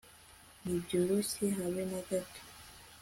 nibyoroshye habe na gato